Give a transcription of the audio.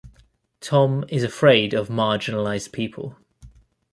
Tom is afraid of marginalized people.